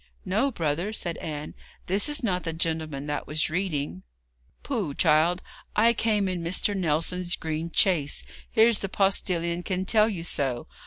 'No, brother,' said Anne, 'this is not the gentleman that was reading.' 'Pooh, child! I came in Mr. Nelson's green chaise. Here's the postillion can tell you so.